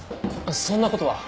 そんなことは。